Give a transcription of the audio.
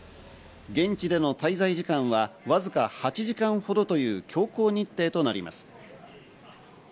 現地での滞在時間はわずか８時間ほどという強行日程となります。